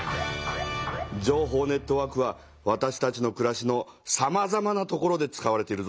情報ネットワークはわたしたちのくらしのさまざまな所で使われているぞ。